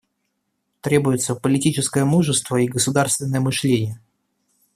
Требуется политическое мужество и государственное мышление.